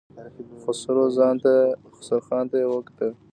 خسرو خان ته يې وکتل.